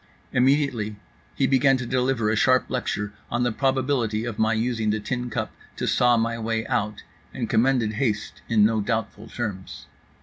Immediately he began to deliver a sharp lecture on the probability of my using the tin cup to saw my way out; and commended haste in no doubtful terms.